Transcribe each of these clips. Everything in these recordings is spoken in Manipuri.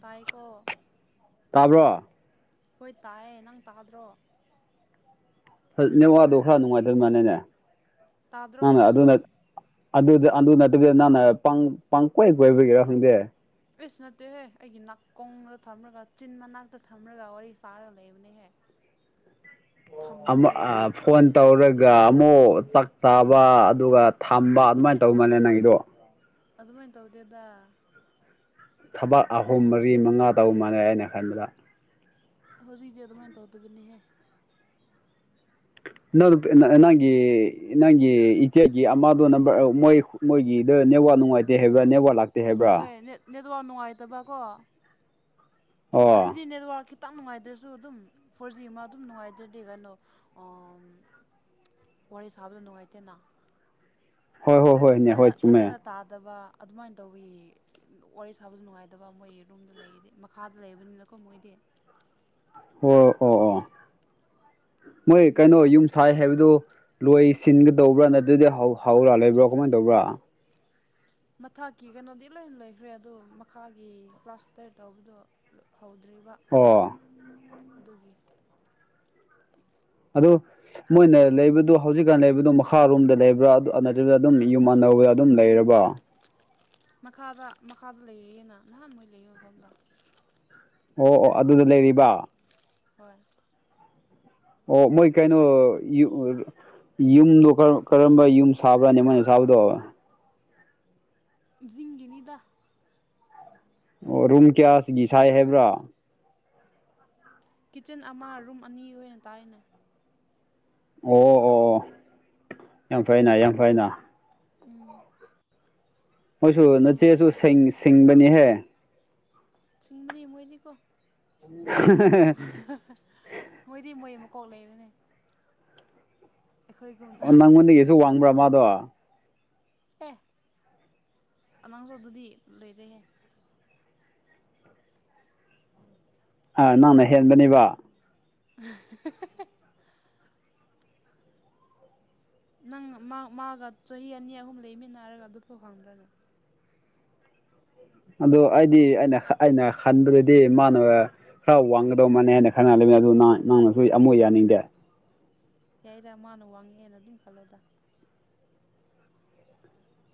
ꯇꯥꯏꯀꯣ꯫ ꯇꯥꯕ꯭ꯔꯣ꯫ ꯍꯣꯏ ꯇꯥꯏꯌꯦ ꯅꯪ ꯇꯥꯗ꯭ꯔꯣ꯫ ꯍ ꯅꯦꯋꯥꯗꯣ ꯈꯔ ꯅꯨꯡꯉꯥꯏꯇꯕ ꯃꯥꯅꯤꯅꯦ ꯇꯥꯗ꯭ꯔꯣ ꯅꯪꯅ ꯍꯧꯖꯤꯛꯁꯨ ꯑꯗꯨꯅ ꯑꯗꯨꯗ ꯑꯗꯨ ꯅꯠꯇꯕꯤꯗ ꯅꯪꯅ ꯄꯪꯀꯣꯏ ꯀꯣꯏꯕꯒꯤꯔꯥ ꯈꯪꯗꯦ꯫ ꯑꯩꯁ ꯅꯠꯇꯦꯍꯦ ꯑꯩꯒꯤ ꯅꯥꯀꯣꯡꯗ ꯊꯝꯔꯒ ꯆꯤꯟ ꯃꯅꯥꯛꯇ ꯊꯝꯔꯒ ꯋꯥꯔꯤ ꯁꯥꯔꯒ ꯂꯩꯕꯅꯦꯍꯦ꯫ [inaudible] ꯑꯃꯥ ꯐꯝꯔꯒ ꯐꯣꯟ ꯇꯧꯔꯒ ꯑꯃꯨꯛ ꯆꯥꯛ ꯆꯥꯕ ꯑꯗꯨꯒ ꯊꯝꯕ ꯑꯗꯨꯃꯥꯏꯅ ꯇꯧꯕꯥ ꯃꯥꯜꯅꯦ ꯅꯪꯒꯤꯗꯣ ꯑꯗꯨꯃꯥꯏꯟ ꯇꯧꯗꯦꯗ ꯊꯕꯛ ꯑꯍꯨꯝ ꯃꯔꯤ ꯃꯉꯥ ꯇꯧ ꯃꯥꯟꯅꯦ ꯑꯩꯅ ꯈꯟꯕꯗ ꯍꯧꯖꯤꯛꯇꯤ ꯑꯗꯨꯃꯥꯏꯅ ꯇꯧꯗꯕꯅꯦꯍꯦ ꯅꯪ ꯅꯪꯒꯤ ꯅꯪꯒꯤ ꯏꯆꯦꯒꯤ ꯑꯃꯗꯨ ꯅꯝꯕꯔ ꯃꯣꯏ ꯃꯣꯏꯒꯤꯗ ꯅꯦꯋꯥꯛ ꯅꯨꯡꯉꯥꯏꯇꯦ ꯍꯥꯏꯕ꯭ꯔꯥ ꯅꯦꯋꯥ ꯂꯥꯛꯇꯦ ꯍꯥꯏꯕ꯭ꯔꯥ ꯅꯦꯠꯗꯣ ꯅꯨꯡꯉꯥꯏꯇꯕꯀꯣ ꯑꯁꯤ ꯑꯣ ꯗꯤ ꯅꯦꯠꯋꯥꯔꯛ ꯈꯤꯇꯪ ꯅꯨꯡꯉꯥꯏꯗ꯭ꯔꯁꯨ ꯑꯗꯨꯝ ꯐꯣꯔ ꯖꯤ ꯑꯃ ꯑꯗꯨꯝ ꯅꯨꯡꯉꯥꯏꯗ꯭ꯔꯗꯤ ꯀꯩꯅꯣ ꯋꯥꯔꯤ ꯁꯥꯕꯗ ꯅꯨꯡꯉꯥꯏꯇꯦꯅ ꯍꯣꯏ ꯍꯣꯏ ꯍꯣꯏꯅꯦ ꯐꯖ ꯍꯣꯏ ꯆꯨꯝꯃꯦ ꯐꯖꯅ ꯇꯥꯗꯕ ꯑꯗꯨꯃꯥꯏꯅ ꯇꯧꯕꯒꯤ ꯋꯥꯔꯤ ꯁꯥꯕꯁꯨ ꯅꯨꯡꯉꯥꯏꯇꯕ ꯃꯣꯏ ꯔꯨꯝꯗ ꯂꯩꯔꯤꯗꯤ ꯃꯈꯥꯗ ꯂꯪꯕ ꯅꯤꯅ ꯀꯣ ꯃꯣꯏꯗꯤ ꯑꯣ ꯑꯣ ꯑꯣ ꯃꯣꯏ ꯀꯩꯅꯣ ꯑꯗꯨꯒꯤꯅꯤꯗ ꯌꯨꯝ ꯁꯥꯏ ꯍꯥꯏꯕꯗꯨ ꯂꯣꯏꯁꯤꯟꯒꯗꯧꯕ꯭ꯔꯥ ꯅꯠꯇ꯭ꯔꯗꯤ ꯍꯧꯔꯥ ꯂꯩꯕ꯭ꯔꯥ ꯀꯃꯥꯏꯅ ꯇꯧꯕ꯭ꯔꯥ ꯃꯊꯛꯀꯤ ꯀꯩꯅꯣꯗꯤ ꯂꯣꯏ ꯂꯣꯏꯈ꯭ꯔꯦ ꯑꯗꯣ ꯃꯈꯥꯒꯤ ꯄ꯭ꯂꯥꯁꯇꯔ ꯇꯧꯕꯗꯣ ꯍꯧꯗ꯭ꯔꯤꯕ ꯑꯣ ꯑꯗꯨꯒꯤ ꯑꯗꯨ ꯃꯣꯏꯅ ꯂꯩꯕꯗꯨ ꯍꯧꯖꯤꯛꯀꯥꯟ ꯂꯩꯕꯗꯨ ꯃꯈꯥꯔꯣꯝꯗ ꯂꯩꯕ꯭ꯔꯥ ꯑꯗꯨ ꯅꯇ꯭ꯔꯒ ꯑꯗꯨꯝ ꯌꯨꯝ ꯑꯅꯧꯕꯗ ꯑꯗꯨꯝ ꯂꯩꯔꯕ ꯃꯈꯥꯗ ꯃꯈꯥꯗ ꯂꯩꯔꯤꯑꯦꯅ ꯅꯍꯥꯟ ꯃꯣꯏ ꯂꯩ ꯃꯐꯝꯗ ꯑꯣ ꯑꯣ ꯑꯗꯨꯗ ꯂꯩꯔꯤꯕ ꯍꯣꯏ ꯑꯣ ꯃꯣꯏ ꯀꯩꯅꯣ ꯌꯨ ꯌꯨꯝꯗꯣ ꯀꯔꯝꯕ ꯌꯨꯝ ꯁꯥꯕ꯭ꯔꯥꯅꯦ ꯃꯣꯏꯅ ꯁꯥꯕꯗꯣ ꯖꯤꯡꯒꯤꯅꯤꯗ ꯑꯣ ꯔꯨꯝ ꯀꯌꯥꯁꯤꯒꯤ ꯁꯥꯏ ꯍꯥꯏꯕ꯭ꯔꯥ ꯀꯤꯠꯆꯟ ꯑꯃ ꯔꯨꯝ ꯑꯅꯤ ꯑꯣꯏꯅ ꯇꯥꯏꯌꯦꯅꯦ ꯑꯣ ꯑꯣ ꯑꯣ ꯌꯥꯝ ꯐꯩꯅꯥ ꯌꯥꯝ ꯐꯩꯅꯥ ꯎꯝ ꯃꯣꯏꯁꯨ ꯑꯗꯨꯃꯥꯏ ꯅꯆꯦꯁꯨ ꯍꯥꯏꯌꯦ ꯁꯤꯡꯕꯅꯤꯍꯦ ꯁꯤꯡꯕꯅꯤ ꯃꯣꯏꯗꯤꯀꯣ ꯃꯣꯏ ꯃꯀꯣꯛ ꯃꯣꯏꯗꯤ ꯃꯣꯏ ꯃꯀꯣꯛ ꯂꯩꯕꯅꯦ ꯑꯩꯈꯣꯏꯒꯨꯝꯅ ꯑꯣ ꯅꯪꯉꯣꯟꯗꯒꯤ ꯑꯗꯨ ꯋꯥꯡꯕ꯭ꯔꯥ ꯃꯥꯗꯣ ꯑꯦ ꯑꯉꯥꯡꯁꯨ ꯑꯗꯨꯗꯤ ꯂꯩꯔꯦꯍꯦ ꯅꯪꯅ ꯅꯪ ꯍꯦꯟꯕꯅꯤꯕ [unintelligible] ꯅꯪ ꯃꯥ ꯃꯥꯒ ꯆꯍꯤ ꯑꯅꯤ ꯑꯍꯨꯝ ꯂꯩꯃꯤꯟꯅꯔꯒ ꯑꯗꯨꯐꯥꯎ ꯈꯪꯗ꯭ꯔꯅꯦ ꯑꯗꯣ ꯑꯩꯗꯤ ꯑꯩꯅ ꯑꯩꯅ ꯈꯟꯕꯗꯗꯤ ꯃꯥꯅ ꯈꯔ ꯋꯥꯡꯒꯗꯧ ꯃꯥꯅꯦ ꯍꯥꯏꯅ ꯈꯟꯅ ꯑꯗꯨꯅ ꯅꯪꯅꯁꯨ ꯑꯃꯨꯛ ꯌꯥꯅꯤꯡꯗꯦ ꯌꯥꯏꯗꯥ ꯃꯥꯅ ꯋꯥꯡꯉꯦ ꯍꯥꯏꯅꯥ ꯑꯗꯨꯝ ꯈꯜꯂꯣꯗ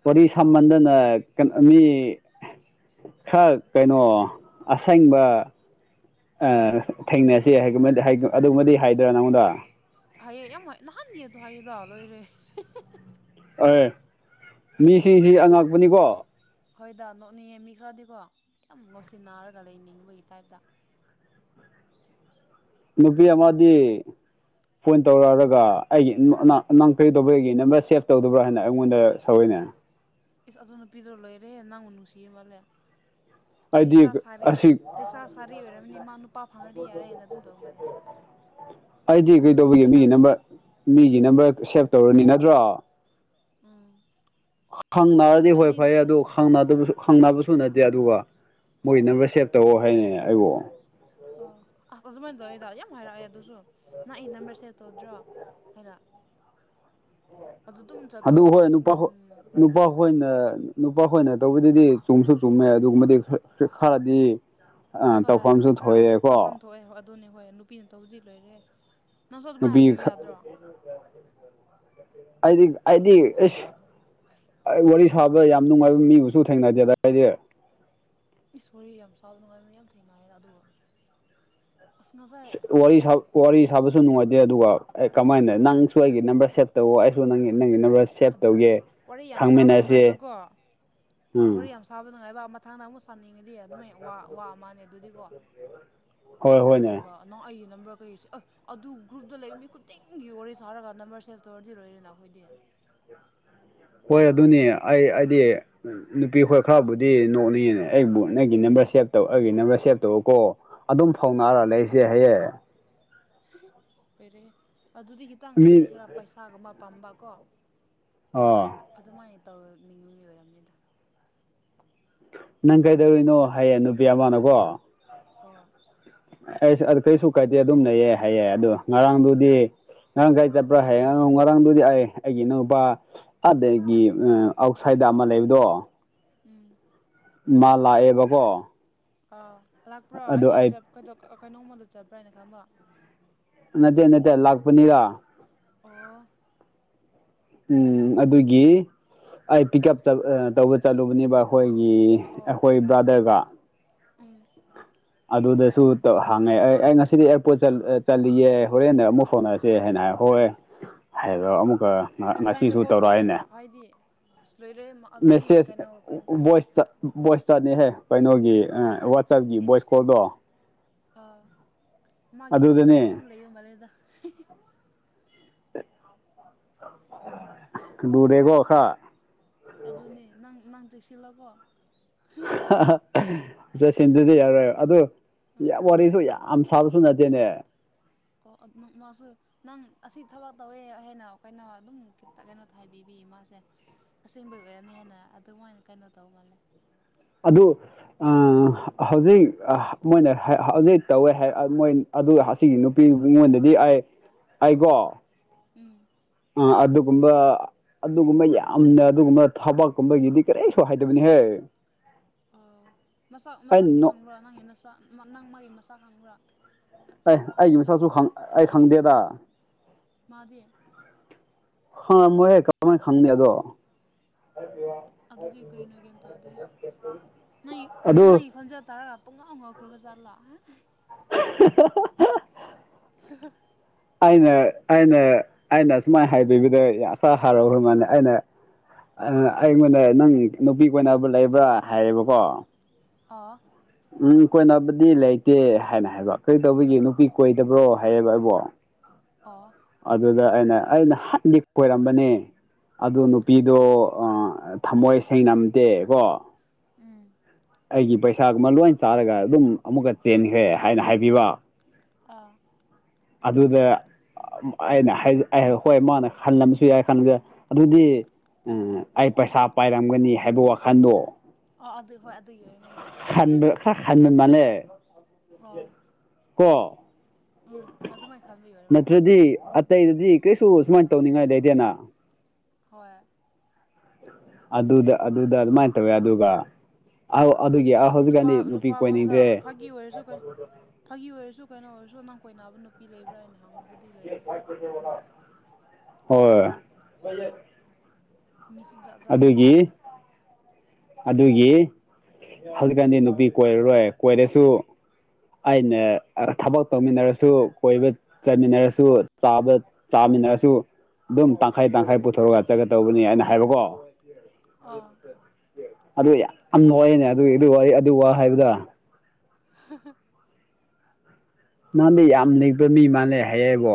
ꯋꯥꯔꯤ ꯁꯥꯃꯟꯗꯅ ꯀꯩꯅꯣ ꯃꯤ ꯈꯔ ꯀꯩꯅꯣ ꯑꯁꯦꯡꯕ ꯑ ꯊꯦꯡꯅꯁꯤ ꯑꯗꯨꯃꯗꯤ ꯍꯥꯏꯗꯣꯏꯔꯥ ꯅꯪꯉꯣꯟꯗ ꯍꯥꯏꯌꯦ ꯌꯥꯝ ꯍꯣꯏ ꯅꯍꯥꯟꯒꯤꯗꯣ ꯍꯥꯏꯌꯦꯗ ꯂꯣꯏꯔꯦ ꯑꯦ ꯃꯤꯁꯤꯡꯁꯤ ꯑꯉꯛꯄꯅꯤꯀꯣ ꯍꯣꯏꯗ ꯅꯣꯛꯅꯤꯡꯉꯦ ꯃꯤ ꯈꯔꯗꯤꯀꯣ ꯌꯥꯝ ꯉꯣꯁꯤ ꯅꯥꯔꯒ ꯂꯩꯅꯤꯡꯕꯒꯤ ꯇꯥꯏꯞꯇ ꯅꯨꯄꯤ ꯑꯃꯗꯤ ꯐꯣꯟ ꯇꯧꯔꯛꯔꯒ ꯑꯩꯒꯤ ꯅꯪ ꯀꯩꯗꯧꯕ ꯑꯩꯒꯤ ꯅꯝꯕꯔ ꯁꯦꯞ ꯇꯧꯗꯕ꯭ꯔꯥ ꯍꯥꯏꯅ ꯑꯩꯉꯣꯟꯗ ꯁꯧꯏꯅꯦ ꯏꯁ ꯑꯗꯨ ꯅꯨꯄꯤꯗꯨ ꯂꯣꯏꯔꯦ ꯅꯪꯕꯨ ꯅꯨꯡꯁꯤꯌꯦ ꯃꯥꯜꯂꯦ ꯂꯩꯁꯥ ꯑꯩꯗꯤ ꯁꯥꯔꯤ ꯑꯁꯤ ꯂꯩꯁꯥ ꯁꯥꯔꯤ ꯑꯣꯏꯔꯝꯃꯅꯤ ꯃꯥ ꯅꯨꯄꯥ ꯐꯪꯉꯗꯤ ꯌꯥꯔꯦ ꯍꯥꯏꯅ ꯑꯗꯨꯝ ꯇꯧ ꯃꯥꯜꯂꯦ ꯑꯩꯗꯤ ꯅꯪꯁꯨ ꯀꯩꯗꯧꯕꯒꯦ ꯃꯤꯒꯤ ꯈꯤꯇꯪ ꯅꯝꯕꯔ ꯃꯤꯒꯤ ꯅꯝꯕꯔ ꯁꯦꯚ ꯇꯧꯔꯅꯤ ꯅꯠꯇ꯭ꯔꯣ ꯎꯝ ꯈꯪꯅꯔꯗꯤ ꯑꯗꯣ ꯍꯣꯏ ꯑꯩꯗꯤ ꯐꯩ ꯑꯗꯨ ꯈꯪꯅꯗꯕꯁꯨ ꯈꯪꯅꯕꯁꯨ ꯅꯠꯇꯦ ꯑꯗꯨꯒ ꯃꯣꯏꯒꯤ ꯅꯝꯕꯔ ꯁꯦꯞ ꯇꯧꯑꯣ ꯍꯥꯏꯅꯦ ꯑꯩꯕꯨ ꯑꯣ ꯑꯁ ꯑꯗꯨꯃꯥꯏꯅ ꯇꯧꯔꯤꯗ ꯌꯥꯝ ꯍꯥꯏꯔꯛꯑꯦ ꯑꯗꯨꯁꯨ ꯅꯪ ꯑꯩ ꯅꯝꯕꯔ ꯁꯦꯚ ꯇꯧꯗ꯭ꯔꯣ ꯍꯥꯏꯅ ꯑꯗꯨ ꯑꯗꯨꯝ ꯑꯗꯨ ꯆꯠꯇꯧꯔꯕ ꯍꯣꯏ ꯅꯨꯄꯥ ꯎꯝ ꯅꯨꯄꯥꯈꯣꯏꯅ ꯅꯨꯄꯥꯈꯣꯏꯅ ꯇꯧꯕꯗꯗꯤ ꯆꯨꯝꯁꯨ ꯆꯨꯝꯃꯦ ꯑꯗꯨꯒꯨꯝꯕꯗꯤ ꯈꯔꯗꯤ ꯑ ꯍꯣꯏ ꯇꯧꯐꯝꯁꯨ ꯈꯔ ꯇꯧꯐꯝ ꯊꯣꯛꯑꯦꯀꯣ ꯊꯣꯛꯑꯦ ꯑꯗꯨꯅꯦ ꯍꯣꯏ ꯅꯨꯄꯤꯅ ꯇꯧꯗꯤ ꯂꯣꯏꯔꯦ ꯅꯪꯁꯨ ꯑꯗꯨꯃꯥꯏꯅ ꯅꯨꯄꯤ ꯍꯥꯏꯕꯤꯌꯨ ꯈ ꯌꯥꯗ꯭ꯔꯣ ꯑꯩꯗꯤ ꯑꯩꯗꯤ ꯏꯁ ꯑꯩ ꯋꯥꯔꯤ ꯁꯥꯕ ꯌꯥꯝ ꯅꯨꯡꯉꯥꯏꯕ ꯃꯤꯕꯨꯁꯨ ꯊꯦꯡꯅꯗꯦ ꯑꯗꯥꯏꯗꯤ ꯏꯁ ꯋꯥꯔꯤ ꯌꯥꯝ ꯁꯥꯕ ꯅꯨꯡꯉꯥꯏꯕ ꯌꯥꯝ ꯊꯦꯡꯅꯩꯌꯦꯗ ꯑꯗꯨꯒ ꯑꯁ ꯉꯁꯥꯏ ꯋꯥꯔꯤ ꯁꯥꯕꯁꯨ ꯅꯨꯡꯉꯥꯏꯇꯦ ꯑꯗꯨꯒ ꯑꯦ ꯀꯃꯥꯏꯅ ꯅꯪꯁꯨ ꯑꯩꯒꯤ ꯅꯝꯕꯔ ꯁꯦꯞ ꯇꯧ ꯑꯩꯁꯨ ꯅꯪ ꯅꯪ ꯏꯕ꯭ꯔꯁꯤ ꯑꯗꯨꯅꯦ ꯋꯥꯔꯤ ꯌꯥꯝ ꯁꯥꯕ ꯅꯨꯡꯉꯥꯏꯕꯀꯣ ꯋꯥꯔꯤ ꯎꯝ ꯌꯥꯝ ꯁꯥꯥꯕ ꯅꯨꯡꯉꯥꯏꯕ ꯃꯊꯪꯗ ꯑꯃꯨꯛ ꯁꯥꯥꯅꯤꯡꯉꯗꯤ ꯑꯗꯨꯃꯥꯏ ꯋꯥ ꯃꯥꯅꯦ ꯑꯗꯨꯗꯤꯀꯣ ꯍꯣꯏ ꯍꯣꯏꯅꯦ ꯅꯠꯇ꯭ꯔꯒ ꯅꯣ ꯑꯩꯒꯤ ꯅꯝꯕꯔ ꯀꯩꯁꯦ ꯑ ꯑꯗꯨ ꯒ꯭ꯔꯨꯞꯇ ꯂꯩꯕ ꯃꯤ ꯈꯨꯗꯤꯡꯒꯤ ꯋꯥꯔꯤ ꯁꯥꯔꯒ ꯅꯝꯕꯔ ꯁꯦꯞ ꯇꯧꯔꯗꯤꯔꯣꯏ ꯏꯔꯦꯅ ꯑꯩꯈꯣꯏꯗꯤ ꯍꯣꯏ ꯑꯗꯨꯅꯤ ꯑꯩ ꯍꯥꯏꯗꯤ ꯅꯨꯄꯤ ꯈꯣꯏ ꯈꯔꯕꯨꯗꯤ ꯅꯣꯛꯅꯤꯡꯉꯅꯦ ꯑꯩꯕꯨ ꯅꯪꯒꯤ ꯅꯝꯕꯔ ꯁꯦꯚ ꯇꯧ ꯑꯩꯒꯤ ꯅꯝꯕꯔ ꯁꯦꯚ ꯇꯧꯔꯀꯣ ꯑꯗꯨꯝ ꯐꯥꯎꯅꯔ ꯂꯩꯁꯦ ꯍꯥꯏꯌꯦ ꯂꯣꯏꯔꯦꯍꯦ ꯑꯗꯨꯗꯤ ꯈꯤꯇꯪ ꯃꯤ ꯀ꯭ꯔꯦꯁꯤꯔꯥ ꯄꯩꯁꯥꯒꯨꯝꯕ ꯄꯥꯝꯕꯀꯣ ꯑꯣ ꯑꯗꯨꯃꯥꯏꯅ ꯇꯧꯅꯤꯡꯉ ꯃꯤ ꯑꯣꯏꯔꯝꯅꯤꯗ ꯅꯪ ꯀꯩꯗꯧꯔꯤꯅꯣ ꯍꯥꯏꯌꯦ ꯅꯨꯄꯤ ꯑꯃꯅꯀꯣ ꯑꯣ ꯑꯩ ꯑꯗꯨ ꯀꯩꯁꯨ ꯀꯥꯏꯗꯦ ꯑꯗꯨꯝ ꯂꯩꯌꯦ ꯍꯥꯏꯌꯦ ꯑꯗꯣ ꯉꯔꯥꯡꯗꯨꯗꯤ ꯉꯔꯥꯡ ꯀꯒꯥꯥꯏ ꯆꯠꯄ꯭ꯔꯥ ꯍꯥꯏꯌꯦꯡꯅꯨ ꯉꯔꯥꯡꯗꯨꯗꯤ ꯑꯩ ꯑꯩꯒꯤ ꯏꯅꯥꯎꯄꯥ ꯑꯗꯒꯤ ꯑꯥꯎꯠꯁꯥꯏꯗ ꯑꯃ ꯂꯩꯕꯗꯣ ꯎꯝ ꯃꯥ ꯂꯥꯛꯑꯦꯕꯀꯣ ꯑꯥ ꯂꯥꯛꯄ꯭ꯔꯣ ꯑꯗꯨ ꯑꯩꯗꯤ ꯑꯩ ꯀꯩꯅꯣꯃꯗ ꯆꯠꯄ꯭ꯔꯥꯅ ꯈꯪꯃꯣ ꯅꯠꯇꯦ ꯅꯠꯇꯦ ꯂꯥꯛꯄꯅꯤꯔ ꯑꯣ ꯎꯝ ꯑꯗꯨꯒꯤ ꯑꯩ ꯄꯤꯛ ꯎꯞ ꯇꯧꯕ ꯆꯠꯂꯨꯕꯅꯦꯕ ꯑꯩꯈꯣꯏꯒꯤ ꯑꯩꯈꯣꯏ ꯕ꯭ꯔꯥꯗꯔꯒ ꯎꯝ ꯑꯗꯨꯗꯁꯨ ꯍꯥꯡꯉꯦ ꯑꯦ ꯑꯩ ꯉꯁꯤꯗꯤ ꯑꯦꯌꯥꯔꯄꯣꯔꯠ ꯆꯜꯂꯤꯒꯦ ꯍꯣꯔꯦꯟꯅ ꯑꯃꯨꯛ ꯐꯥꯎꯅꯔꯁꯤ ꯆꯦ ꯍꯥꯏꯅ ꯍꯥꯏ ꯍꯣꯏ ꯍꯥꯏꯕ ꯑꯃꯨꯛꯀ ꯑꯣꯐꯂꯥꯏꯟꯗ ꯉꯁꯤꯁꯨ ꯀꯣꯜ ꯇꯧꯔꯛꯑꯦꯅꯦ ꯇꯧꯔꯛꯄ꯭ꯔꯣ ꯍꯥꯏꯗꯤ ꯑꯁ ꯂꯣꯏꯔꯦ ꯑꯗꯨꯗꯤ ꯃꯦꯁꯦꯖ ꯀꯩꯅꯣ ꯀꯩꯅꯣ ꯕꯣꯏꯁ ꯇꯥ ꯚꯣꯏꯁꯇꯅꯦꯍꯦ ꯀꯩꯅꯣꯒꯤ ꯋꯥꯆꯞꯀꯤ ꯚꯣꯏꯁ ꯏꯁ ꯀꯣꯜꯗꯣ ꯑꯥ ꯃꯥꯒꯤ ꯁꯤꯗꯤ ꯀꯩꯅꯣꯝ ꯑꯗꯨꯗꯅꯦ ꯂꯩꯕ ꯃꯥꯂꯦꯗ ꯂꯨꯔꯦꯒꯣ ꯈꯥ ꯑꯗꯨꯅꯦ ꯅꯪ ꯅꯪ ꯆꯦꯛꯁꯤꯜꯂꯣ ꯀꯣ ꯆꯦꯛ ꯁꯤꯟꯗꯗꯤ ꯌꯥꯔꯣꯏ ꯑꯗꯨ ꯌꯥꯝ ꯋꯥꯔꯤꯁꯨ ꯌꯥꯝ ꯁꯥꯕꯁꯨ ꯅꯠꯇꯦꯅꯦ ꯑꯣ ꯑ ꯃ ꯃꯥꯁꯨ ꯅꯪ ꯑꯁꯤ ꯊꯕꯛ ꯇꯧꯋꯦ ꯍꯦꯟꯅ ꯀꯈꯣꯏꯅꯣ ꯑꯗꯨꯝ ꯈꯤꯇ ꯀꯩꯅꯣ ꯍꯥꯏꯕꯤꯕꯤꯌꯦ ꯃꯥꯁꯦ ꯑꯁꯦꯡꯕꯩ ꯑꯣꯏꯔꯝꯅꯤ ꯍꯥꯏꯅ ꯑꯗꯨꯃꯥꯏꯅ ꯀꯩꯅꯣ ꯇꯧꯃꯥꯜꯂꯦ ꯑꯗꯨ ꯑ ꯍꯧꯖꯤꯛ ꯑ ꯃꯣꯏꯅ ꯍꯧꯖꯤꯛ ꯇꯧꯋꯦ ꯍꯏ ꯃꯣꯏ ꯑꯗꯨ ꯑꯁꯤꯒꯤ ꯅꯨꯄꯤ ꯃꯤꯉꯣꯟꯗꯗꯤ ꯑꯩ ꯑꯩꯀꯣ ꯎꯝ ꯑ ꯑꯗꯨꯒꯨꯝꯕ ꯑꯗꯨꯒꯨꯝꯕ ꯌꯥꯝꯅ ꯑꯗꯨꯒꯨꯝꯕ ꯊꯕꯛꯀꯨꯝꯕꯒꯤꯗꯤ ꯀꯔꯤꯁꯨ ꯍꯥꯏꯗꯕꯅꯤꯍꯦ ꯑꯧ ꯃꯁꯛ ꯑꯩ ꯃꯁꯛꯇꯤ ꯈꯪꯕ꯭ꯔꯥ ꯅꯪ ꯅꯁꯥ ꯅꯪ ꯃꯥꯒꯤ ꯃꯁꯥꯛ ꯈꯪꯕ꯭ꯔꯥ ꯑꯩ ꯑꯩꯒꯤ ꯃꯁꯛꯁꯨ ꯈꯪ ꯑꯩ ꯈꯪꯗꯦꯗ ꯃꯥꯗꯤ ꯈꯪꯉꯝꯃꯣꯏꯍꯦ ꯀꯃꯥꯏꯅ ꯈꯪꯅꯦ ꯑꯗꯣ ꯑꯗꯨꯗꯤ ꯀꯔꯤꯅꯣ ꯒ꯭ꯌꯥꯟ ꯇꯥꯗꯦ ꯑꯗꯨ ꯈꯟꯖ ꯇꯔꯥ ꯄꯨꯡꯉꯥꯎ ꯉꯥꯎꯒ꯭ꯔꯕꯖꯥꯠꯂ [unintelligible] ꯍꯥꯍꯥ ꯑꯩꯅ ꯑꯩꯅ ꯑꯩꯅ ꯁꯨꯃꯥꯏꯅ ꯍꯥꯏꯕꯤꯕꯗ ꯑꯁꯥ ꯍꯔꯥꯎꯈ꯭ꯔ ꯃꯥꯜꯅꯦ ꯑꯩꯅ ꯑꯩꯉꯣꯟꯗ ꯅꯪ ꯅꯨꯄꯤ ꯀꯣꯟꯅꯕ ꯂꯩꯕ꯭ꯔꯥ ꯍꯥꯏꯌꯦꯕꯀꯣ ꯑꯥ ꯎꯝ ꯀꯣꯏꯅꯕꯗꯤ ꯂꯩꯇꯦ ꯍꯥꯏꯅ ꯍꯥꯏꯕ ꯀꯔꯤꯗꯧꯕꯒꯤ ꯅꯨꯄꯤ ꯀꯣꯏꯗꯕ꯭ꯔꯣ ꯍꯥꯏꯌꯦꯕ ꯑꯩꯕꯣ ꯑꯣ ꯑꯗꯨꯗ ꯑꯩꯅ ꯑꯩꯅ ꯍꯟꯗꯤ ꯀꯣꯏꯔꯝꯕꯅꯦ ꯑꯗꯨ ꯅꯨꯄꯤꯗꯣ ꯊꯃꯣꯏ ꯁꯦꯡꯉꯝꯗꯦ ꯀꯣ ꯎꯝ ꯑꯩꯒꯤ ꯄꯩꯁꯥꯒꯨꯝꯕ ꯂꯣꯏ ꯆꯥꯔꯒ ꯑꯗꯨꯝ ꯑꯃꯨꯛꯀ ꯆꯦꯟꯈ꯭ꯔꯦ ꯍꯥꯏꯅ ꯍꯥꯏꯕꯤꯕ ꯑꯥ ꯑꯗꯨꯗ ꯑꯩꯅ ꯍꯥꯏ ꯍꯣꯏ ꯃꯥꯅ ꯈꯜꯂꯝꯕꯁꯨ ꯌꯥꯏ ꯈꯟꯕꯁꯨꯏ ꯑꯗꯨꯗꯤ ꯑꯩ ꯄꯩꯁꯥ ꯄꯥꯏꯔꯝꯒꯅꯤ ꯍꯥꯏꯕ ꯋꯥꯈꯟꯗꯣ ꯑꯣ ꯑꯗꯨ ꯍꯣꯏ ꯑꯗꯨꯒꯤ ꯑꯣꯏꯔꯝꯒꯅꯤꯗ ꯈꯟꯕ ꯈꯔ ꯈꯥꯟꯕ ꯃꯅꯦ ꯑꯣ ꯀꯣ ꯎꯝ ꯑꯗꯨꯃꯥꯏꯅ ꯈꯟꯕꯒꯤ ꯑꯣꯏꯔꯝꯅꯤꯗ ꯅꯠꯇ꯭ꯔꯗꯤ ꯑꯇꯩꯗꯗꯤ ꯀꯩꯁꯨ ꯁꯨꯃꯥꯏꯟ ꯇꯧꯅꯤꯡꯉꯥꯏ ꯂꯩꯇꯦꯅ ꯍꯣꯏ ꯑꯗꯨꯗ ꯑꯗꯨꯗ ꯑꯗꯨꯃꯥꯏꯟ ꯇꯧꯋꯦ ꯑꯗꯨꯒ ꯑꯗꯨꯒꯤ ꯏꯁ ꯅꯨꯄꯥ ꯍꯧꯖꯤꯛꯀꯥꯟꯗꯤ ꯅꯨꯄꯤ ꯅꯨꯄꯥꯉꯣꯟꯗ ꯀꯣꯏꯅꯤꯡꯗ꯭ꯔꯦ ꯐꯥꯒꯤ ꯑꯣꯏꯔꯁꯨ [unintelligible] ꯐꯥꯒꯤ ꯑꯣꯏꯔꯁꯨ ꯀꯩꯅꯣ ꯑꯣꯏꯔꯁꯨ ꯅꯪ ꯀꯣꯏꯅꯥꯕ ꯅꯨꯄꯤ ꯂꯩꯕ꯭ꯔꯥ ꯍꯥꯏꯅ ꯍꯪꯕꯗꯨꯗꯤ ꯂꯣꯏꯔꯦꯍꯦ ꯍꯣꯏ ꯃꯤꯁꯤꯡ [unintelligible] ꯑꯗꯨꯒꯤ ꯑꯗꯨꯒꯤ ꯍꯧꯖꯤꯛꯀꯥꯟꯗꯤ ꯅꯨꯄꯤ ꯀꯣꯏꯔꯔꯣꯏ ꯀꯣꯏꯔꯁꯨ ꯑꯩꯅ ꯊꯕꯛ ꯇꯧꯃꯤꯟꯅꯔꯁꯨ ꯀꯣꯏꯕ ꯆꯠꯃꯤꯟꯅꯔꯁꯨ ꯆꯥꯕ ꯆꯥꯃꯤꯟꯅꯔꯁꯨ ꯑꯗꯨꯝ ꯇꯪꯈꯥꯏ ꯇꯪꯈꯥꯏ ꯄꯨꯊꯣ [unintelligible] ꯇꯧꯕꯅꯤ ꯑꯩꯅ ꯍꯥꯏꯕꯀꯣ ꯑꯥ ꯑꯗꯨ ꯌꯥꯝ ꯍꯣꯏꯅꯦ ꯑꯗꯨꯒꯤ ꯑꯗꯨ ꯋꯥ ꯑꯗꯨ ꯋꯥ ꯍꯥꯏꯕꯗꯨ [unintelligible] ꯅꯪꯗꯤ ꯌꯥꯝ ꯂꯩꯕ ꯃꯤ ꯃꯥꯥꯟꯂꯦ ꯍꯥꯏꯌꯦꯕꯣ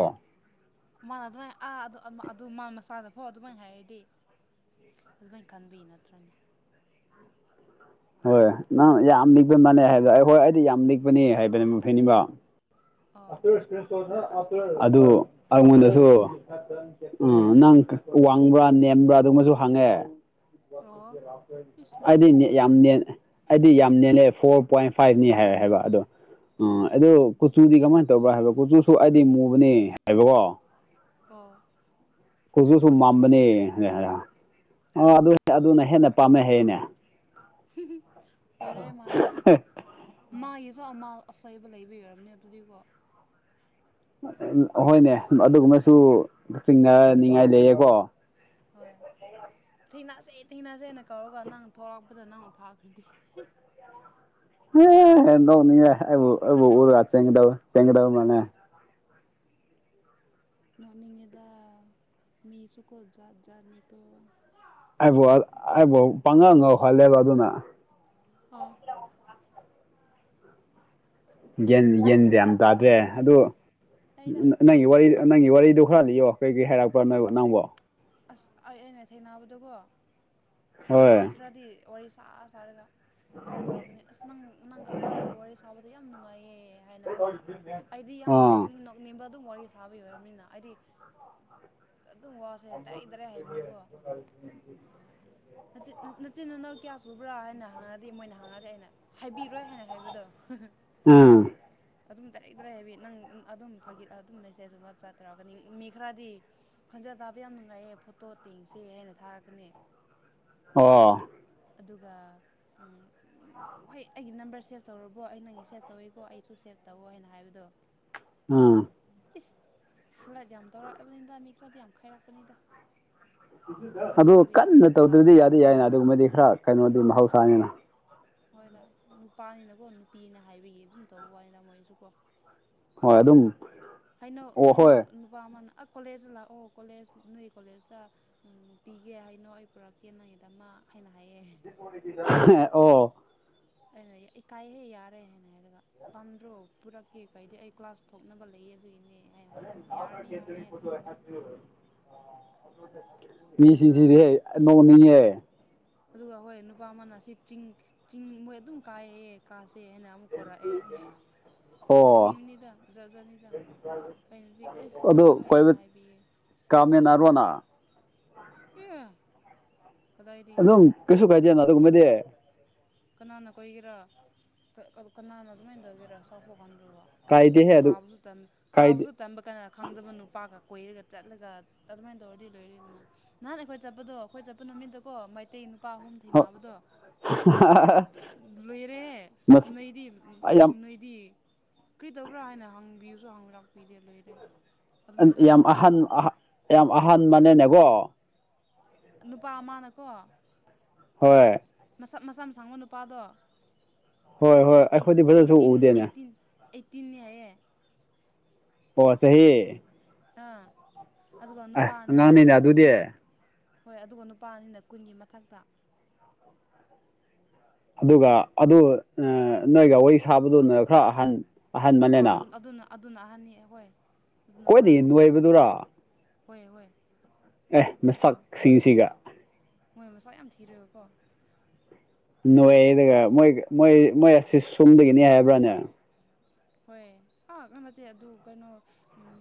ꯃꯥ ꯑꯗꯨꯃꯥꯏ ꯑꯥ ꯗꯨ ꯑꯥ ꯃꯥ ꯑꯗꯨ ꯃꯥ ꯃꯁꯥꯅꯐꯧ ꯑꯗꯨꯃꯥꯏ ꯍꯥꯏꯔꯗꯤ ꯑꯗꯨꯃꯥꯏꯟ ꯈꯟꯕꯩ ꯅꯠꯇ꯭ꯔꯅꯦ ꯍꯣꯏ ꯅꯪ ꯌꯥꯝ ꯂꯤꯛꯄ ꯃꯥꯟꯅꯦ ꯍꯥꯏꯕ ꯑꯩ ꯍꯣꯏ ꯑꯩꯗꯤ ꯌꯥꯝ ꯂꯤꯛꯄꯅꯦ ꯍꯥꯏꯕꯅꯦ ꯐꯩꯅꯤꯕꯣ ꯑꯣ [unintelligible] ꯑꯗꯨ ꯑꯩꯉꯣꯟꯗꯁꯨ ꯎꯝ ꯅꯪ ꯋꯥꯡꯕ꯭ꯔꯥ ꯅꯦꯝꯕ꯭ꯔꯥ ꯑꯗꯨꯃꯁꯨ ꯍꯪꯉꯦ ꯑꯣ ꯏꯁ ꯑꯩꯗꯤ ꯃꯥꯒꯤꯁꯤꯗꯤ [unintelligible] ꯌꯥꯝ [unintelligible] ꯑꯩꯗꯤ ꯌꯥꯝ ꯅꯦꯜꯂꯦ ꯐꯣꯔ ꯄꯣꯏꯟ ꯐꯥꯏꯚꯅꯤ ꯍꯥꯏ ꯍꯥꯏꯕ ꯑꯗꯣ ꯎꯝ ꯑꯗꯨ ꯀꯨꯆꯨꯗꯤ ꯀꯃꯥꯏꯟ ꯇꯧꯕ꯭ꯔꯥ ꯍꯥꯏꯕ ꯀꯨꯆꯨꯁꯨ ꯑꯩꯗꯤ ꯃꯨꯕꯅꯤ ꯍꯥꯏꯕꯀꯣ ꯑꯣ ꯀꯨꯆꯨꯁꯨ ꯃꯝꯕꯅꯦ [unintelligible] ꯑꯗꯨ ꯑꯗꯨꯅ ꯍꯦꯟꯅ ꯄꯥꯝꯃꯦ ꯍꯥꯏꯌꯦꯅꯦ [unintelligible] ꯂꯣꯢꯔꯦ ꯃꯥꯢꯁꯤꯗꯤ ꯃꯥꯒꯤꯁꯨ ꯑꯃꯥꯜ ꯑꯁꯣꯢꯕ ꯂꯩꯕꯒꯤ ꯑꯣꯏꯔꯝꯅꯦ ꯑꯗꯨꯗꯤꯀꯣ ꯍꯣꯏꯅꯦ ꯑꯗꯨꯒꯨꯝꯕꯁꯨ ꯆꯤꯡꯅꯅꯤꯡꯉꯥꯏ ꯂꯩꯌꯦꯀꯣ ꯍꯣꯏ ꯊꯦꯡꯅꯁꯦ ꯊꯦꯡꯅꯁꯦꯅ ꯀꯧꯔꯒ ꯅꯪ ꯊꯣꯂꯛꯄꯗ ꯅꯪꯅ ꯐꯥꯈ꯭ꯔꯗꯤ ꯍꯦ ꯅꯣꯛꯅꯤꯡꯉꯦ ꯑꯩꯕꯨ ꯑꯩꯕꯨ ꯎꯔ ꯆꯦꯟꯒꯗꯞ ꯆꯦꯟꯒꯗꯕ꯭ꯔꯅꯦ ꯅꯣꯛꯅꯤꯡꯉꯤꯗꯥ ꯃꯤꯁꯨꯀꯣ ꯖꯥꯠ ꯖꯥꯠꯅꯤꯀꯣ ꯑꯩꯕꯨ ꯑꯩꯕꯨ ꯄꯪꯉꯥꯎ ꯉꯥꯎꯍꯜꯂꯦꯕ ꯑꯗꯨꯅ [unintelligible] ꯒ꯭ꯌꯟ ꯒ꯭ꯌꯟ ꯌꯥꯝ ꯇꯥꯗꯦ ꯑꯗꯨ ꯑꯩꯗ ꯅꯪꯒꯤ ꯋꯥꯔꯤ ꯅꯪꯒꯤ ꯋꯥꯔꯤꯗꯣ ꯈꯔ ꯂꯤꯌꯣ ꯀꯩꯀꯩ ꯍꯥꯏꯔꯛꯄ꯭ꯔꯥ ꯅꯣꯏꯕꯣ ꯅꯪꯕꯣ ꯑꯁ ꯑꯩ ꯑꯩꯅ ꯊꯦꯡꯅꯕꯗꯨꯀꯣ ꯃꯤ ꯍꯣꯏ ꯈꯔꯗꯤ ꯋꯥꯔꯤ ꯁꯥ ꯁꯥꯔꯒ ꯆꯇꯧꯔꯛꯀꯅꯤ ꯑꯁ ꯅꯪ ꯅꯪꯪꯒ ꯅꯪꯕꯨ ꯋꯥꯔꯤ ꯁꯥꯕ ꯌꯥꯝ ꯅꯨꯡꯉꯥꯏꯌꯦ ꯍꯥꯏꯅꯀꯣ ꯑꯩꯗꯤ ꯌꯥꯝ ꯑꯥ ꯅꯣꯛꯅꯤꯡ ꯅꯣꯛ ꯅꯤꯡꯕꯥ ꯑꯗꯨꯝ ꯋꯥꯔꯤ ꯁꯥꯕꯩ ꯑꯣꯏꯔꯝꯅꯤꯅ ꯑꯩꯗꯤ ꯑꯗꯨꯝ ꯋꯥꯁꯦ ꯗꯥꯢꯔꯦꯛ ꯗꯥꯢꯔꯦꯛ ꯍꯥꯏꯕꯅꯦꯕꯣ [inaudible] ꯅꯆꯤ ꯅꯆꯤꯟ ꯅꯅꯥꯎ ꯀꯌꯥ ꯁꯨꯕ꯭ꯔꯥ ꯍꯥꯏꯅ ꯍꯪꯉꯗꯤ ꯃꯣꯏꯅ ꯍꯪꯉꯗꯤ ꯑꯩꯅ ꯍꯥꯏꯕꯤꯔꯣꯏ ꯍꯥꯏꯅ ꯍꯥꯏꯕꯗꯣ ꯎꯝ ꯑꯗꯨꯝ ꯗꯥꯢꯔꯦꯛ ꯗꯥꯢꯔꯦꯛ ꯍꯥꯏꯕꯤ ꯅꯪ ꯑꯗꯨꯝ ꯐꯥꯒꯤ ꯑꯗꯨꯝ ꯃꯦꯁꯦꯖ ꯒꯨꯝꯕ ꯆꯥꯠ ꯇꯧꯔꯛꯀꯅꯤ ꯃꯤ ꯈꯔꯗꯤ ꯈꯣꯟꯖꯦꯜ ꯇꯥꯕ ꯌꯥꯝ ꯅꯨꯡꯉꯥꯏꯌꯦ ꯐꯣꯇꯣ ꯌꯦꯡꯁꯦ ꯍꯥꯏꯅ ꯊꯥꯔꯛꯀꯅꯤ ꯑꯣ ꯑꯗꯨꯒ ꯎꯝ ꯍꯣꯏ ꯑꯩꯒꯤ ꯅꯝꯕꯔ ꯁꯦꯞ ꯇꯧꯔꯕꯣ ꯑꯩ ꯅꯪꯒꯤ ꯁꯦꯐ ꯇꯧꯏꯀꯣ ꯑꯩꯁꯨ ꯁꯦꯐ ꯇꯧꯏ ꯍꯥꯏꯅ ꯍꯥꯏꯕꯗꯣ ꯎꯝ ꯏꯁ ꯐ꯭ꯂꯠ ꯌꯥꯝ ꯇꯧꯔꯛꯄꯕꯅꯤꯗ ꯃꯤ ꯈꯔꯗꯤ ꯌꯥꯝ ꯈꯥꯏꯔꯛꯄꯅꯤꯗ ꯈꯥꯏꯔꯛꯇꯦ ꯑꯗꯨ ꯍꯥꯏꯕ ꯌꯥꯗꯦ ꯀꯟꯅ ꯑꯗꯨꯒ ꯇꯧꯗ꯭ꯔꯗꯤ ꯌꯥꯗꯤ ꯌꯥꯏꯅ ꯎꯝ ꯑꯗꯨꯕꯨ ꯃꯣꯏꯗꯤ ꯈꯔ ꯀꯩꯅꯣ ꯑꯗꯨꯒꯨꯝꯕꯗꯤ ꯍꯣꯏꯗ ꯃꯍꯧꯁꯥꯅꯤꯅ ꯍꯣꯏꯗ ꯅꯨꯄꯥꯅꯤꯅꯀꯣ ꯅꯨꯄꯤꯅ ꯍꯥꯏꯕꯒꯤ ꯑꯗꯨꯝ ꯇꯧꯕ ꯋꯥꯅꯤꯗ ꯃꯣꯏꯁꯨꯀꯣ ꯍꯣꯏ ꯑꯗꯨꯝ ꯍꯥꯏꯅꯣ ꯑꯣ ꯍꯥꯏꯅꯣ ꯍꯣꯏ ꯅꯨꯄꯥ ꯑꯃꯅ ꯑꯥ ꯀꯣꯂꯦꯖꯇ ꯂꯥꯛꯑꯣ ꯀꯣꯂꯦꯖ ꯅꯣꯏ ꯀꯣꯂꯦꯖꯇ ꯄꯤꯒꯦ ꯍꯥꯏꯅꯣ ꯑꯩ ꯄꯨꯔꯛ ꯌꯦꯟꯅꯉꯦꯗ ꯃꯥ ꯍꯥꯏꯅ ꯍꯥꯏꯌꯦ ꯑꯣ ꯑꯩꯅ ꯏꯀꯥꯏꯍꯦ ꯌꯥꯔꯦ ꯍꯥꯏꯅ ꯍꯥꯏꯔꯒ ꯄꯥꯝꯗ꯭ꯔꯣ ꯄꯨꯔꯛꯀꯦ ꯀꯩꯗ ꯑꯩ ꯀ꯭ꯂꯥꯁ ꯊꯣꯛꯅꯕ ꯂꯩꯌꯦ ꯑꯗꯨꯏꯅꯦ ꯑꯩꯅ ꯍꯥꯏꯕ ꯍꯥꯏꯕ ꯌꯥꯔꯅꯤ ꯌꯥꯔꯅꯤ ꯑꯩꯅ ꯍꯥꯏꯕ ꯑꯗꯨꯒ ꯃꯤꯁꯤꯡꯁꯤꯗꯤ ꯅꯣꯛꯅꯤꯡꯉꯦ ꯑꯗꯨꯒ ꯍꯣꯏ ꯅꯨꯄꯥ ꯑꯃꯅ ꯑꯁꯤ ꯆꯤꯡ ꯆꯤꯡ ꯃꯣꯏ ꯑꯗꯨꯝ ꯀꯥꯏꯌꯦꯌꯦ ꯀꯥꯥꯁꯦ ꯍꯥꯏꯅ ꯑꯃꯨꯛ ꯀꯧꯔꯛꯑꯦ ꯑꯣ ꯅꯣꯛꯅꯤꯡꯕꯅꯤꯗ ꯖꯥꯠ ꯖꯥꯠꯅꯤꯗ ꯀꯩꯅꯣꯗꯤ ꯑꯩꯁ ꯀꯥꯔꯣꯏ ꯍꯥꯏꯅ ꯍꯥꯏꯕꯤꯌꯦ ꯀꯥꯃꯤꯟꯅꯥ ꯔꯣꯅ ꯑꯦ ꯀꯗꯥꯏꯗꯒꯤ ꯑꯗꯨꯝ ꯀꯩꯁꯨꯝ ꯀꯥꯏꯗꯦꯅ ꯑꯗꯨꯒꯨꯝꯕꯗꯤ ꯀꯅꯥꯅ ꯀꯣꯏꯒꯦꯔꯥ ꯀꯅꯥꯅ ꯑꯗꯨꯃꯥꯏꯅ ꯇꯧꯒꯦꯔꯥ ꯆꯥꯎꯄꯨ ꯃꯥꯟꯕꯗꯨꯕꯣ ꯀꯥꯏꯗꯦꯍꯦ ꯑꯗꯨ ꯀꯥꯕꯁꯨ ꯀꯥꯏꯗꯦ ꯀꯥꯕꯁꯨ ꯇꯝꯕ ꯀꯅ ꯈꯪꯗꯕ ꯅꯨꯄꯥꯒ ꯀꯣꯏꯔꯒ ꯆꯠꯂꯒ ꯑꯗꯨꯃꯥꯏꯅ ꯇꯧꯔꯗꯤ ꯂꯣꯏꯔꯦꯗꯅ ꯅꯍꯥꯟ ꯑꯩꯈꯣꯏ ꯆꯠꯄꯗꯣ ꯑꯩꯈꯣꯏ ꯆꯠꯄ ꯅꯨꯃꯤꯠꯇꯀꯣ ꯑꯇꯩ ꯅꯨꯄꯥ ꯑꯍꯨꯝ ꯊꯦꯡꯅꯕꯗꯣ ꯍꯥꯍꯥ ꯂꯣꯏꯔꯦ ꯅꯣꯏꯗꯤ ꯌꯥꯝ ꯅꯣꯏꯗꯤ ꯀꯔꯤꯗꯧꯕ꯭ꯔꯥ ꯍꯥꯏꯅ ꯍꯪꯕꯤꯕꯁꯨ ꯍꯪꯕꯤꯔꯛꯄꯤꯇꯦ ꯂꯣꯏꯔꯦ ꯑꯗꯨꯃꯥꯏꯅ ꯇꯧꯔꯗꯤ ꯌꯥꯝ ꯂꯣꯏꯔꯦ ꯑꯍꯟ ꯑꯗꯨꯅ ꯌꯥꯝ ꯑꯍꯟꯕꯅꯦꯅꯦꯀꯣ ꯅꯨꯄꯥ ꯑꯃꯅꯀꯣ ꯍꯣꯏ ꯃꯁꯝ ꯃꯁꯝ ꯁꯥꯡꯕ ꯅꯨꯄꯥꯗꯣ ꯍꯣꯏ ꯍꯣꯏ ꯑꯩꯠ ꯑꯩꯈꯣꯏꯗꯤ ꯐꯖꯅꯁꯨ ꯑꯩꯠꯇꯤꯟ ꯎꯗꯦꯅꯦ ꯑꯩꯠꯇꯤꯟꯅꯤ ꯍꯥꯏꯌꯦ ꯑꯣ ꯆꯍꯤ ꯑꯥ ꯑꯗꯨꯒ ꯑꯦ ꯅꯨꯄꯥ ꯑꯅꯤꯅ ꯑꯉꯥꯡꯅꯤꯅ ꯑꯗꯨꯗꯤ ꯀꯨꯟ ꯍꯣꯏ ꯑꯗꯨꯒ ꯅꯨꯄꯥ ꯑꯅꯤꯅ ꯀꯨꯟꯒꯤ ꯃꯊꯛꯇ ꯑꯗꯨꯒ ꯑꯗꯨ ꯅꯣꯏꯒ ꯋꯥꯔꯤ ꯁꯥꯕꯗꯨꯅ ꯈꯔ ꯑꯍꯟ ꯑꯣ ꯑꯍꯟꯕꯅꯦꯅ ꯑꯗꯨ ꯑꯗꯨꯅ ꯑꯗꯨꯅ ꯑꯍꯟꯅꯤ ꯍꯣꯏ ꯑꯗꯨꯅ ꯈꯔ ꯈ꯭ꯋꯥꯏꯗꯒꯤ ꯑꯍꯟꯅꯤ ꯅꯣꯏꯕꯗꯨꯔꯥ ꯍꯣꯏ ꯍꯣꯏ ꯑꯦ ꯃꯁꯛꯁꯤꯡꯁꯤꯒ ꯃꯣꯏ ꯃꯁꯛ ꯌꯥꯝ ꯊꯤꯔꯒꯀꯣ ꯅꯣꯏꯔꯒ ꯃꯣꯏ ꯃꯣꯏ ꯃꯣꯏ ꯑꯁꯤ ꯁꯣꯝꯗꯒꯤꯅꯤ ꯍꯥꯏꯕ꯭ꯔꯥꯅꯦ ꯍꯣꯏ ꯑꯥ ꯅꯠꯇꯦ ꯑꯗꯨ ꯀꯩꯅꯣ ꯎꯝ